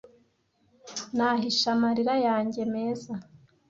nahisha amarira yanjye meza